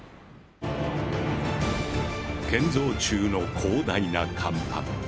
建造中の広大な甲板。